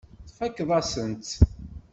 Tfakkeḍ-asen-tt.